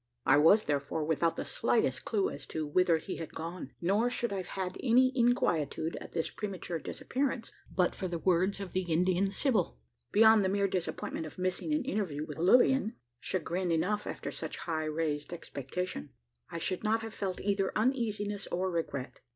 I was, therefore, without the slightest clue as to whither he had gone. Nor should I have had any inquietude at this premature disappearance, but for the words of the Indian sibyl. Beyond the mere disappointment of missing an interview with Lilian chagrin enough after such high raised expectation I should not have felt either uneasiness or regret.